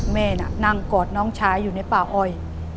แม่น่ะนั่งกอดน้องชายอยู่ในป่าอ้อย